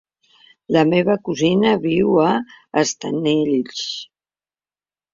La meva cosina viu a Estellencs.